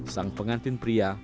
sang pengantin pria